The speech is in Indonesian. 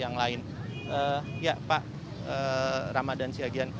yang hanya atau tolong kamu tetap dijual saja